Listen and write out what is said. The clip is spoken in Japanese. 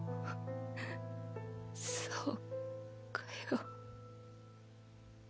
そうかよ。